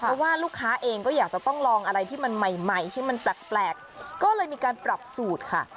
เพราะว่าลูกค้าเองก็อยากจะต้องลองอะไรที่มันใหม่ใหม่ที่มันแปลกก็เลยมีการปรับสูตรค่ะ